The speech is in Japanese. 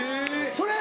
それ！